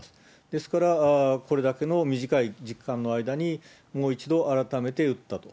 ですから、これだけの短い時間の間に、もう一度改めて撃ったと。